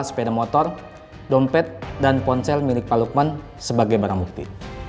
sepeda motor dompet dan ponsel milik pak lukman sebagai barang bukti